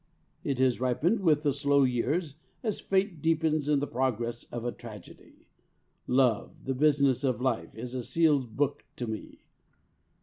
It has ripened with the slow years, as fate deepens in the progress of a tragedy. Love, the business of life, is a sealed book to me.